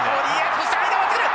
そして間を割ってくる！